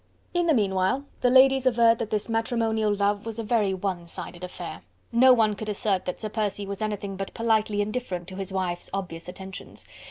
In the meanwhile, the ladies averred that this matrimonial love was a very one sided affair. No one could assert that Sir Percy was anything but politely indifferent to his wife's obvious attentions.